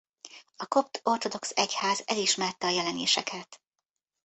A kopt ortodox egyház elismerte a jelenéseket.